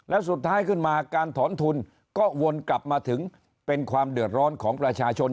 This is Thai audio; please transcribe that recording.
แล้วสุดท้ายขึ้นมาการถอนทุนก็วนกลับมาถึงเป็นความเดือดร้อนของประชาชน